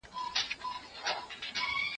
عرب وویل غنم کلي ته وړمه